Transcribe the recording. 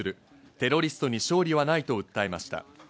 テロリストに勝利はないと訴えました。